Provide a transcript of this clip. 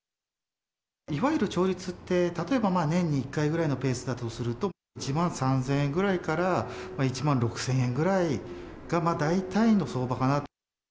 いわゆる調律って、例えば年に１回ぐらいのペースだとすると、１万３０００円ぐらいから１万６０００円ぐらいが、大体の相場かな。